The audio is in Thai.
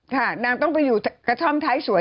ค่ะนางต้องไปอยู่กระท่อมไทยสวน